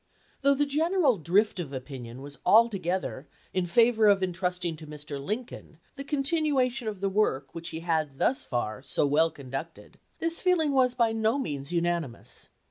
Though the general drift of opinion was altogether in favor of intrusting to Mr. Lincoln the continuation of the work which he had thus far so well conducted, this feeling was by no means unanimous.